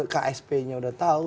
ksp nya sudah tahu